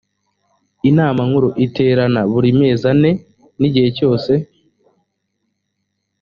inama nkuru iterana buri mezi ane n igihe cyose